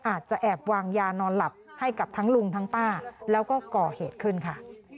อาจจะแอบวางยานอนหลับให้กับทั้งลุงทั้งป้าแล้วก็ก่อเหตุขึ้นค่ะ